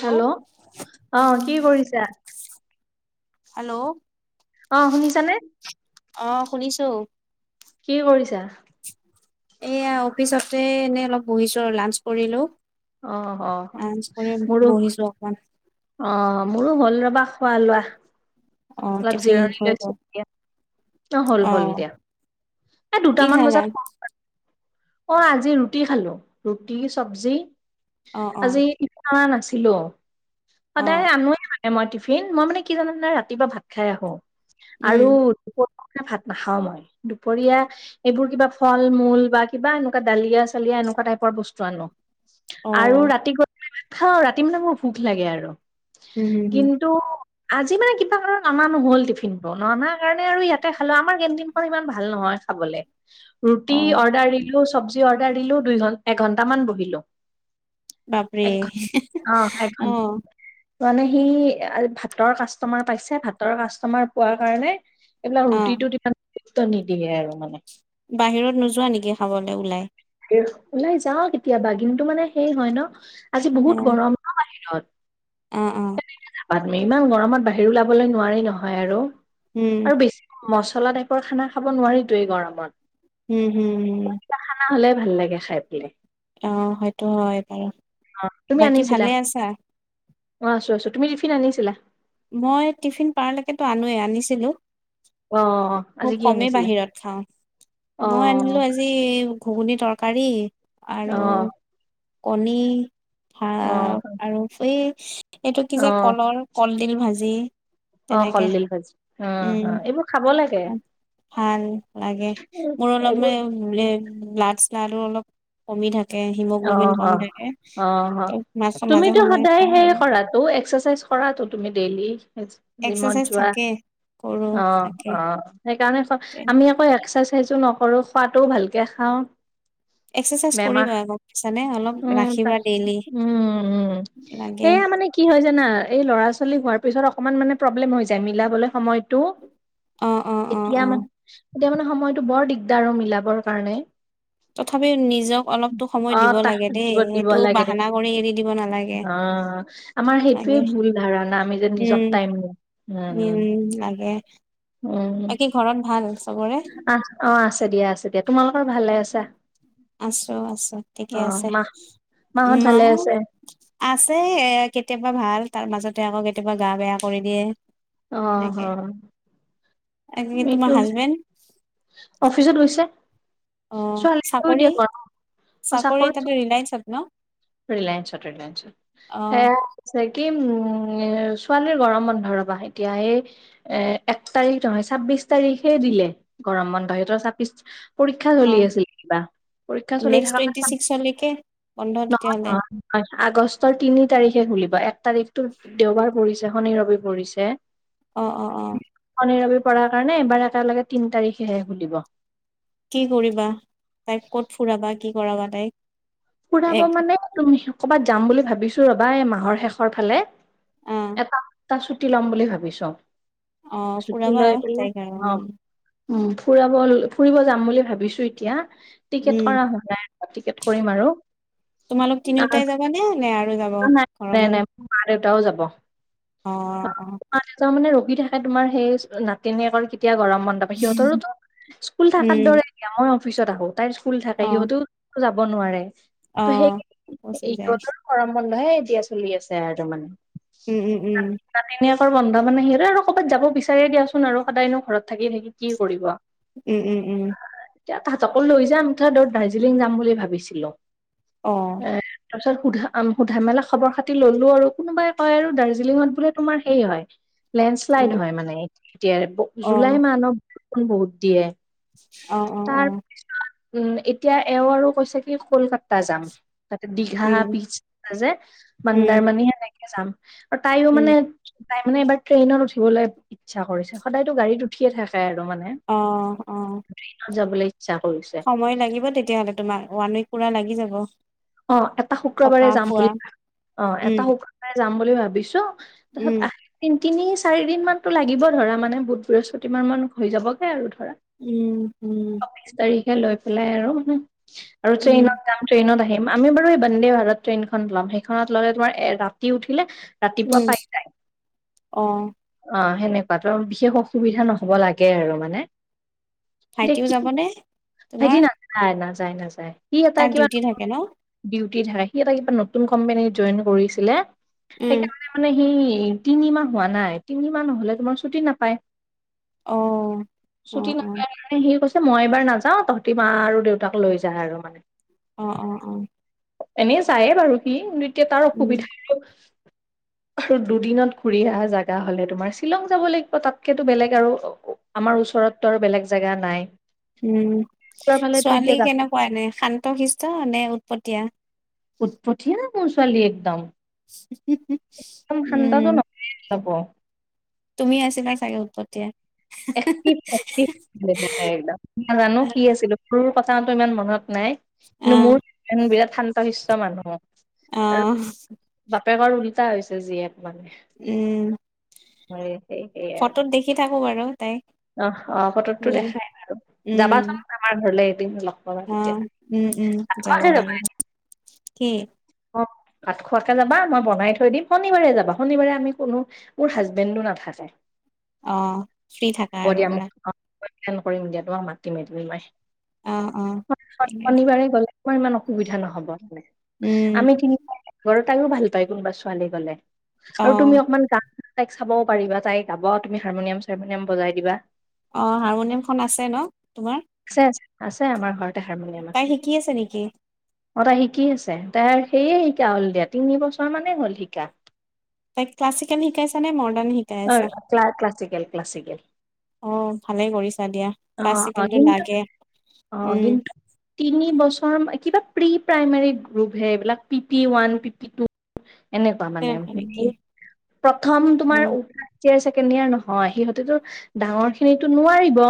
Hello অ' কি কৰিছা? হেল্ল'। অ' শুনিছানে? অ' শুনিছো। কি কৰিছা? এয়া অফিচতে এনে অলপ বহিছো আৰু লাঞ্চ কৰিলো। অ', অ', লাঞ্চ কৰি মোৰো। বহিছো অকমান অ' মোৰো হ'ল ৰবা খোৱা লোৱা, অ অলপ টিফিন জিৰণি হৈ গল লৈছো। অ' হল হল দিয়া, এই কি দুটামান খালা বজাত [unintelligible] অ' আজি ৰুটি খালো, ৰুটি চবজি অ অ আজি আন নাছিলো, সদায় অ আনোৱে মনে এ মই টিফিন মই মানে কি জানানে ৰাতিপুৱা ভাত খাই আহো, আৰু উম ভাত নাখাও মই দুপৰীয়া এইবোৰ কিবা ফল মূল বা কিবা এনেকুৱা দালিয়া চালিয়া এ এনেকুৱা টাইপৰ বস্তু আনো। অ আৰু ৰাতি গলে খাওঁ ৰাতি মানে মোৰ ভোক লাগে আৰু। উম হম হম কিন্তু আজি মানে কিবা কাৰ ননা নহ'ল টিফিনটো ননা কাৰণে আৰু ইয়াতে খালোঁ। আমাৰ কেণ্টিং খন ইমান ভাল নহয় ৰুটি অ অৰ্ডাৰ দিলোঁ সব সভাই অৰ্ডাৰ দিলোঁ দুই এঘণ্টা মান বহিলোঁ। বাপৰে এঘন অ অ এঘন মানে সি ভাতৰ কাষ্টমাৰ পাইছে ভাতৰ কাষ্টমাৰ পোৱাৰ কাৰণে এইবিলাক অ ৰুটিটো দি পেলাই গুৰুত্ব নিদিয়ে আৰু মানে। বাহিৰত নোযোৱা নেকি খাবলৈ ওলাই। ওলাই যাও কেতিয়াবা কিন্তু মানে সেই হয় ন আজি অ বহুত গৰম ন বাহিৰত। অ অ মি ইমান গৰমত বাহিৰ ওলাবলৈ নোৱাৰি নহয় আৰু উম আৰু বেছি মস পচলা টাইপৰ খানা খাব নোৱাৰিতোৱেই গৰমত। উম হম হম হলে ভাল লাগে খাই পেলাই। আহ সেইটো হয় বাৰু তুমি বাকী আনিছিলা? ভালে আছা। অ আছো আছো তুমি টিফিন আনিছিলা? মই টিফিন পাৰলৈকেতো আনোৱে আনিছিলো। অ', আজি খুব কি কমেই আনিছিলা? বাহিৰত খাওঁ মই অ', আনিলো আজি ঘুগুনী তৰকাৰী আৰু অ', কণী ভ অ', আৰু এই এইটো কি যে অ', কলৰ কলডিল ভাজি অ তেনেকে কলডিল ভাজি অ উম এইবোৰ খাব লাগে। ভাল লাগে মোৰ অলপ এইবোৰ মানে বো ব্লাড শ্লাডো অলপ কমি থাকে। হিমগ্ল'বিন কম থাকে অ'-অ' ত মাছ মাজে তুমিটো সময়ে সদায় খাওঁ সেই আৰু কৰাটো এক্সাৰচাইজ কৰাটো তুমি দেইলি। জিমত এক্সাৰচাইজ যোৱা থাকে কৰো তাকে অ'-অ' সেইকাৰণে চব আমি আকৌ এক্সাৰচাইজ এক্সাৰচাইজ নকৰোঁ খোৱাটোও ভালকৈ খাওঁ। এক্সাৰচাইজ কৰিবা গম পাইছা নে অলপ ৰাখিবা ডেইলি উম-উম-উম লাগে এইয়া মানে কি হয়, জানা, এই ল'ৰা-ছোৱালী হোৱাৰ পিছত অকমান মানে প্ৰব্লেম হৈ যায় মিলাবলৈ সময় টো অ অ অ এতিয়া অ মান এতিয়া মানে সময়তটো বৰ দিগদাৰ অ মিলাবৰ কাৰণে তথাপিও নিজক অলপ টো সময় অ দিব তাহ লাগে দেই দিব দিব সেইটো লাগে দে বাহানা কৰি এৰি দিব নালাগে অ আমাৰ সেইটোৱে লাগে ভুল ধাৰণা আমি যে নিজক উম টাইম দিওঁ উম লাগে বাকী ঘৰত ভাল চবৰে? আ অ আছে দিয়া আছে দিয়া তোমালোকৰ ভালে আছা আছো আছো ঠিকে অ আছে মাহ মাহত মা ভালে আছে আছে এ কেতিয়াবা ভাল তাৰ মাজতে আকৌ কেতিয়াবা গা বেয়া কৰি দিয়ে অ অ এনেকে বাকী তোমাৰ এইটো হাজবেণ্ড অফিচত গৈছে অ ছোৱালীও চাকৰি এতিয়া গৰম চাকৰি তাতে ৰিলায়ন্স ৰিলায়েঞ্চত ৰিলায়েঞ্চত অ সেয়া আছে কি উম এ ছোৱালীৰ গৰম বন্ধ ৰবা এতিয়া সেই এ এক তাৰিখ নহয় ছাব্বিশ তাৰিখে দিলে গৰম বন্ধ সেইটো চাবি পৰীক্ষা অ চলি আছিল কিবা পৰীক্ষা চলি নেক্সট থকা টুৱেণ্টি ছিক্সলৈকে বন্ধ পাছত অ তেতিয়াহ'লে হয় আগষ্টৰ তিনি তাৰিখে খুলিব এক তাৰিখটো দেওবাৰ পৰিছ পাছদিনাখনি ৰবি পৰিছে অ অ অ পাৰ কাৰণে এবাৰ একেলগে তিন তাৰিখেহে খুলিব কি কৰিবা তাইক কত ফুৰাবা কি কৰাবা তাইক ফুৰাব এক মানে তুমি কৰ'বাত যাম বুলি ভাবিছো ৰবা এই মাহৰ শেষৰ ফালে অ এটা সপ্তাহ ছুটি লম বুলি ভাবিছো অ ছুটী ফুৰাবা লৈ তাইক আৰু পেলাই অ উম উম ফুৰাব ফুৰিব যাম বুলি ভাবিছো এতিয়া টিকেট উম কৰা হোৱা নাই টিকেট কৰিম আৰু তোমালোক নাই তিনিওটাই যাবানে নে আৰু যাব ঘৰৰ নাই মানুহ নাই মোৰ মা দেউতাও যাব অ অ দেউতাও মানে থাকে তোমাৰ সেই নাতিনীয়েকৰ কেতিয়া গৰম মণ্প সিহঁতৰো স্কুল থকাৰ উম দৰে এ মই অফিচত আহো তাইৰ স্কুল থাকে অ সিহঁতো যাব নোৱাৰে অ ত সেই পচি যায় হে এতিয়া চলি আছে আৰু তাৰ মানে উম উম উম নাতিনীয়েকৰ বন্ধ মানে সেৰে আৰু ক'বাত যাব বিচাৰিয়ে দিয়াচোন আৰু সদায়নো ঘৰত থাকি থাকি কি কৰিব উম উম উম এতিয়া তাহাঁতকো লৈ যায় আমি তৰ দাৰ্জিলিং যাম বুলি ভাবিছিলো অ এ তাৰপিছত সোধাম সোধা মেলা খবৰ খাতি ললো আৰু কোনোবাই কয় আৰু দাৰ্জিলিঙত বোলে তোমাৰ সেই হয় লেণ্ডশ্লাইড হয় মানে এতিয়া অ জুলাই মাহত বৰষুণ বহুত দিয়ে আহ অ অ তাৰ উম এতিয়া এওঁ আৰু কৈছে কি কলকাতা যাম তাতে দীঘা উম পিচ যে উম মানদাৰমাণি সনেকে যাম আৰু তাইও উম মানে তাই মানে এইবাৰ ট্ৰেইনত উঠিবলৈ ইচ্ছা কৰিছে সদায়তো গাড়ীত উঠিয়ে থাকে আৰু অঁ, অঁ। জাব লা সময় লাগিব তেতিয়াহ'লে তোমাৰ ওৱান উইক পুৰা লাগি যাব অ এটা শুক্ৰবাৰে থকা যাম খোৱা বুলি, অ উম এটা শুক্ৰবাৰে যাম বুলি ভাবিছো। তাৰ পিছত আ উম তিনি চাৰি দিন মানতো লাগিব ধৰা মানে বুধ বৃহস্পতি মাৰ মান হৈ যাবগে আৰু ধৰা। উম-উম তাকে লৈ পেলাই আৰু-আৰু উম ট্ৰেইনত যাম ট্ৰেইনত আহিম। আমি বাৰু এই বন্দে ভাৰত ট্ৰেইনখন ল'ম সেইখনত ল'লে তোমাৰ ৰাতি উঠিলে ৰাতিপুৱা উম, পাই অ' অ' সেনেকুৱাতো বিশেষ অসুবিধা নহ'ব লাগে আৰু মানে। দে ভাইটিও যাবনে হেতি তোমাৰ না যায় নাযায় নাযায় সি এটা তাৰ কিবা ডিউটি থাকে ন [unintelligible] সি নতুন কম্পেনী জইন কৰিছিলে উম সেইকাৰণে মানে সিঞ তিনি মাহ হোৱা নাই তিনি মাহ নহলে তোমাৰ ছুটি নাপায় অ', ছুটি অ', অ', নাপায় কাণে সি কৈছে মই এইবাৰ নাযাওঁ তহঁতি মা আৰু দেউতাক লৈ যায় আৰু মানে অ অ অ এনেই যায়ে বাৰু সি কিন্তু এতিয়া তাৰ উম, অসুবিধা আৰু দুদিনত ঘুৰি আহা জাগ জাগা হলে তোমাৰ শ্বিলং যাব লাগিব তাতকেতো বেলেগ আৰু আমাৰ ওচৰতটো আৰু বেলেগ জাগা নাই উম উত্তৰ ফালেতো এতিয়া ছোৱালী যা কেনেকুৱা নে শান্ত শিষ্ট নে উৎপতীয়া উঠপঠিয়া মোৰ ছোৱালী একদম একদম উম, ঠাণ্ডাটো নহ [unintelligible] তুমি আছিলা চাগে উৎপতীয়া এক্টিভ এক্টিভ [unintelligible] নাজানো কি আছিলো সৰুৰ কথা তাৰতো ইমান মনত নাই কিন্তু অ', মোৰ ই বিৰাট শান্ত শিষ্ট মানুহ আৰু অহ বাপেকৰ উল্টা হৈছে জীয়েক মানে উম, হয় সেই- সেই আৰ। [unintelligible] তাই অহ', অহ', ফটততো দেখাই বাৰু উম, যাবাচোন আমাৰ ঘৰলে এদিন পাবা অ, তেতিয়া উম-উম যাব কতে যাবা লাগিব কি? অ, ভাত খোৱাকে যাবা মই বনাই থৈ দিম শনিবাৰে যাবা শনিবাৰে আমি কোনো মোৰ হাজবেণ্ডো নাথাকে। অ, ফ্ৰী থাকা হ'ব আৰু দিয়া মোক পুৰা? [unintelligible] কৰিম দিয়া তোমাক মাতিম এদিন মই অ', অ'। [unintelligible] ঠিকে আছে। শনিবাৰে গ'লে তোমাৰ ইমান অসুবিধা নহব মানে উম, আমি তিনিটা [unintelligible] তাইও ভাল পায় কোনোবা ছোৱালী গ'লে আৰু তুমি অ', অকমান গা তাইক চাবও পাৰিবা তাই গাব তুমি হাৰমনিয়াম-চাৰমনিয়াম বজাই দিবা। অ, হাৰমনিয়ামখন আছে ন, তোমাৰ? আছে আছে আছে আমাৰ ঘৰত। তাই শিকি আছে নেকি? অ, তাই শিকি আছে তাই সেয়ে শিকা হ'ল দিয়া তিনি বছৰ মানেই হ'ল শিকা। তাইক ক্লাছিকেল শিকাইছা নে মডাৰ্ণ শিকাই অ', আছা? ক্লা ক্লাছিকেল ক্লাছিকেল অ, ভালে কৰিছা দিয়া অ', অ', ক্লাছিকেলটো কিন্তু লাগে। অ, উম, কিন্তু তিনি বছৰ কিবা প্ৰি প্ৰাইমাৰী গ্ৰুপ হে এইবিলাক পিটি ওৱান, পিটি টু এনেকুৱা মানে তেনেকুৱা নেকি? [unintelligible] প্ৰথম তোমাৰ অ', উ তিয়াৰ ছেকেণ্ড ইয়াৰ নহয় সিহঁতেতো ডাঙৰ খিনিতো নোৱাৰিব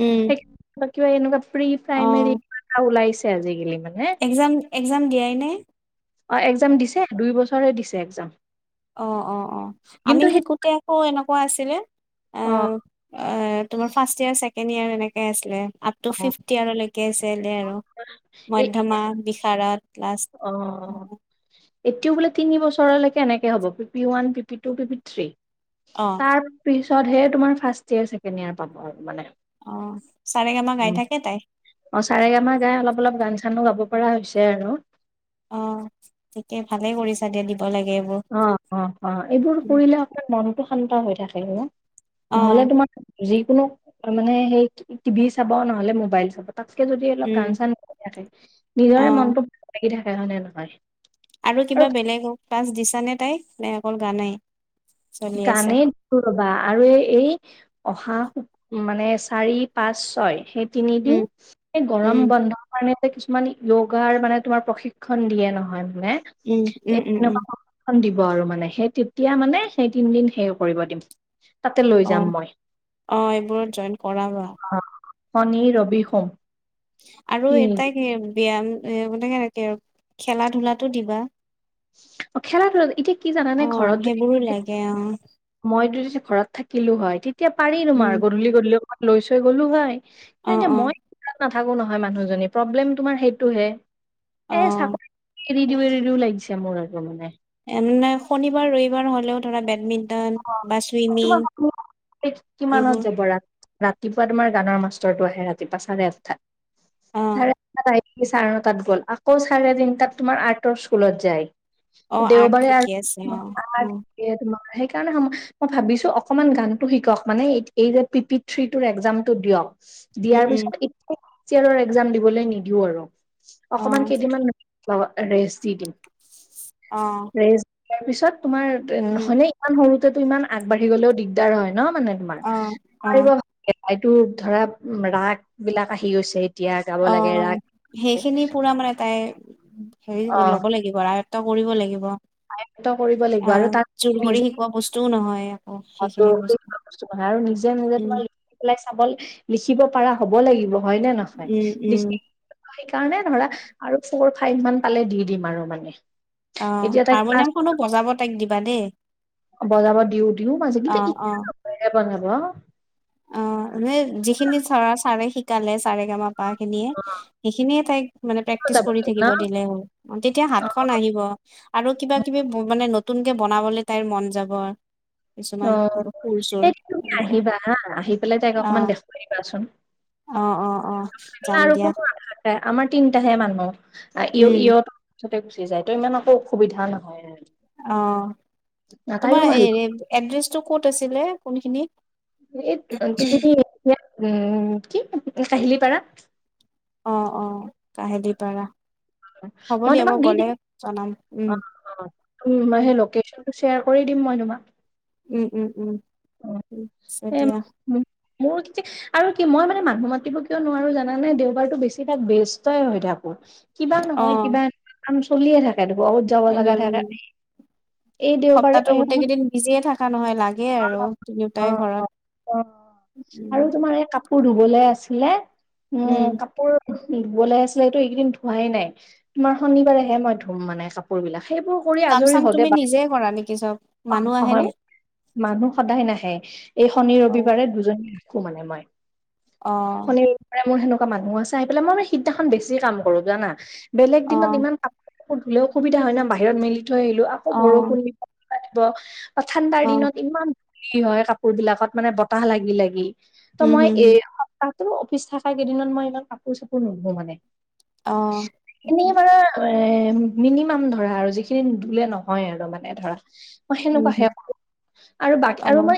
উম, সেই কিবা এনেকোৱা প্ৰি প্ৰাইমেৰি [unintelligible] ওলাইছে আজিকালি মান একজাম-একজাম দিয়াই নে অ', এক্সাম হয়। দিছে দুই বছৰে দিছে একজাম। অ অ অ আমি শিকোতে আকৌ এনেকুৱা আছিলে অ তোমাৰ ফাৰ্ষ্ট ইয়েৰ ছেকেণ্ড ইয়েৰ এনেকে আছিলে আপ টু অ', ফিফট ইয়েৰলৈকে আছিল আৰু এই মধ্যমা বিষাৰত লাষ্ট অ', এতিয়াও বোলে তিনি বছৰলৈকে এনেক হব P P one P P two P P three অ', তাৰ পিছতহে তোমাৰ ফাৰ্ষ্ট ইয়েৰ ছেকেণ্ড ইয়েৰ পাব আৰু মানে অ। চাৰে গামা গাই থাকে তাই। অ চাৰে গামা গাই অলপ অলপ গান চানো গাব পৰা হৈছে আৰু। অ থিকে ভালে কৰিছা দিয়া দিব লাগে এইবোৰ, অ অ অ এইবোৰ কৰিলে আপোনাৰ মনটো শান্ত হৈ থাকে অ'। ন'হলে অ', তোমাৰ যিকোনো মানে সেই টিভি চাব ন'হলে মোবাইল চাব। তাতকে যদি অলপ উম। গান চান কৰি থাকে অ নিজৰে মনটো ভাল লাগি থাকে হয়নে নহয়। আৰু কিবা বেলেগ ক্লাছ দিছানে তাইক নে অকল গানেই? চলি আছে গানেই দিছো ৰবা আৰু এই এই অহা মানে চাৰি, পাঁচ, ছয় সেই তিনিদিন উম এই গৰম উম বন্ধৰ কাৰণে কিছুমান য্যোগাৰ মানে তোমাৰ প্ৰশিক্ষণ দিয়ে নহয়। নে উম উম উম উম এনেকুৱা [unintelligible] দিব আৰু মানে সেই তেতিয়া মানে সেই তিনদিন সেইও কৰিব দিম। তাতে লৈ অ যাম মই অ এইবোৰত জইন কৰাবা। শনি, ৰবি, সোম। আৰু এই তিনিদিন তাইক ব্যায়াম এ মানে কি আৰু খেলা ধূলাটো দিবা। অ খেলা ধূলা এতিয়া কি জানানে ঘৰত যদি থাকে অ মইতো যদি ঘৰত থাকিলো হয় তেতিয়া পাৰি উম তোমাৰ গধূলি গধূলি অকমান লৈ চৈ গ'লো হয়। অ কিন্ত এতিয়া অ মই তাত নাথাকো নহয় মানুহজনী প্ৰব্লেম তোমাৰ সেইটো হে অ এ চাকৰি এৰি দিও এৰি দিও লাগিছে মোৰ আৰু মানে নাই শনিবাৰ, ৰবিবাৰ হ'লেও ধৰা বেডমিণ্টন তোমাৰ কিমানত সেইবোৰ যাব ৰাত ৰাতিপুৱা তোমাৰ গানৰ মাষ্টৰটো আহে ৰাতিপুৱা চাৰে আঠটাত অ চাৰে আঠ চাৰে ন' তাত গ'ল আকৌ চাৰে তিনতাত তোমাৰ আৰ্টৰ স্কুলত যায়। অ আৰ্ট দেওবাৰে শিকি আছে অ উম [unintelligible] [unintelligible] সেইকাৰণে মই ভাবিছো অকনমান গানটো শিকক মানে এই এই যে পি পি থ্ৰীটোৰ একজাম টো দিয়ক। উম দিয়াৰ উম পিছত [unintelligible] এক্জাম দিবলে নিদিও আৰু অ অকমান কেইদিনমান ৰেষ্ট দি দিম। অ। তাৰ পিছত তোমাৰ উম হয়নে ইমান সৰুতেতো ইমান আগবাঢ়ি গ'লেও দিগদাৰ হয়। নহয় মানে তোমাৰ অ অ এইটো ধৰা ৰাগ বিলাক আহি গৈছে। এতিয়া গাব অ লাগে ৰাগ সেইখিনি পুৰা মানে তাই হেৰি ল'ব লাগিব আৰু আয় -ত্ব কৰিব লাগিব। আয়ত্ব কৰিব লাগিব আৰু আহ জোৰ তাই কৰি নিজৰ শিকোৱা বস্তুও নহয় আকৌ সেইখিনি [unintelligible] বস্তু বনাই আৰু নিজে নিজে উম তোমাৰ লিখি পেলাই চাব লিখিব পাৰা হব লাগিব হয় নে উম নহয় লি উম সেইকাৰণে ধৰা আৰু ফ'ৰ, ফাইভ মান পালে দি দিম আৰু মানে। অ এতিয়া তাই ক্লাছ হাৰমনিয়াম খনো বজাব তাইক দিবা দেই। বজাব দিওঁ দিওঁ মাজে অ কিন্তু অ [unintelligible] বজাব। অ মানে যিখিনি ছাৰে শিকালে ছাৰে গামা পা খিনিয়ে সেইখিনিয়ে তাইক মানে প্ৰেক্টিচ বজাব কৰি থাকিব ন' দিলে হ'ল, তেতিয়া অ'। হাতখন আহিব। আৰু কিবা কিবি মানে নতুনকে বনাবলে তাইৰ মন যাব। কিছুমান সুৰ অ', চুৰ তুমি এনেকে আহিবা হা। আহি পেলাই তাইক অ অকমান দেখুৱাই দিবাচোন অ', অ', [unintelligible] অ', যাম দিয়া [unintelligible] আমাৰ তিনতাহে মানুহ, উম, [unintelligible] গুচি যায় ত ইমান একো অসুবিধা নহয় আৰু। অ', আহ, তাইও তোমাৰ ভাল পাব, এড্ৰেছটো ক'ত আছিলে কোনখিনিত? এই তুমি এ কি কাহিলীপাৰা। অ', অ', কাহিলী পাৰা। হ'ব মই দিয়া তোমাক দি গ'লে দিম, জনাম উম। অ', অ', [unintelligible] লকেচনটো শ্বেয়াৰ কৰি দিম মই তোমাক। উম উম উম, অ, [unintelligible] এই দিয়া। মো- মোৰ যে আৰু কি মই মানে মানুহ মাতিব কিয় নোৱাৰো জানানে দেওবাৰতটো বেছিভাগ ব্যস্তই হৈ থাক কিবা নহয় অ', কিবা এ কাম চলিয়ে থাকে বহুত যাব লগা থাকে। এই দেওবাৰে সপ্তাহো এই গোটেই কেইদিন বিজিয়ে থাকে। থকা নহয় লাগেই আৰু অ তিনিওটাই ঘৰত অ অ আৰু উম, তোমাৰ এই কাপোৰ ধুবলে আছিলে উম, কাপোৰ ধুবলে আছিলে এইটো এইকেইদিন ধোৱাই নাই তোমাৰ শনিবাৰেহে মই ধুম মানে কাপোৰ বিলাক। সেইবোৰ কৰি কাম আজৰি চাম হওঁতে তুমি বা নিজে কৰা নেকি চব মানুহ আহেনে? অ' মানুহ সদায় নাহে এই শনি অ', ৰবিবাৰে দুজনী নে সো মানে মই অ', শনিববাৰে মোৰ সেনেকা মানুহ আছে আহি পেলাই মই মানে সিদিনাখন বেছি কাম কৰো জানা বেলেগ দিনত অ', ইমান কাপোৰ ধুলেও অসুবিধা হয় না বাহিৰত মেলি থৈ আহিলো আকৌ অ', বৰষুণ দিব কিবা দিব। ঠাণ্ডাৰ অ', দিনত ইমান ধৰি হয় কাপোৰ বিলাকত মানে বতাহ লাগি-লাগি। ত উম, মই হম, এ হম, সপ্তাহটো অফিচ থকা কেইদিনত মই ইমান কাপোৰ চাপোৰ নুধো মানে। অ', তাকে এনেই বাৰু এ মিনিমাম ধৰা আৰু যিখিনি নুধুলে নহয় আৰু মানে ধৰা। মই উম, সেনেকুৱাহে হম, কৰোঁ আৰু বাকী অ', আৰু মই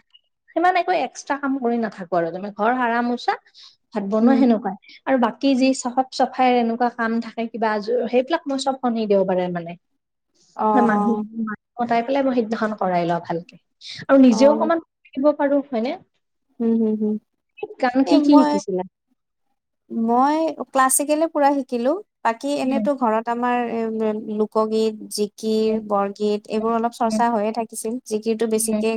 সিমান একো এক্সট্ৰা কাম কৰি নাথাকো আৰু তুমি ঘৰ সাৰা মুচা ভাত উম। বনোৱা সেনেকুৱা। আৰু বাকী যি চফ চাফাই এনেকুৱা কাম থাকে কিবাৰ সেইবিলাক মই চব শনি দেওবাৰে বাৰে মানে। অ হয়, মানুহ-মানুহ কৰাই পেলাই মই সিদিনাসন কৰাই লও ভালকে। আৰু নিজেও অকমান থাকিব পাৰো হয়নে। উম, হম-হম গান এ কি কি মই শিকিছিলা? মই ক্লাছিকেল পুৰা শিকিলো বাকি উম এনেতো ঘৰত আমাৰ এ লোকগীত, জিকিৰ। কিৰ উম বৰগীত উম এইবোৰ অলপ উম চৰ্চা হৈয়ে থাকিছিল জিকিৰ টো উম বেছিকে,